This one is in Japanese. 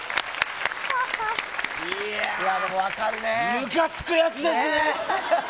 むかつくやつですね。